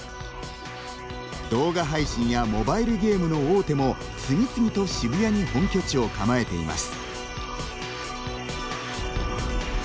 動画配信やモバイルゲームの大手も次々と渋谷に本拠地を構えています。